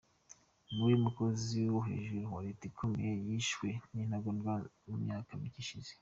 Niwe mukozi wo hejuru wa leta ukomeye wishwe n'intagondwa mu myaka mike ishize.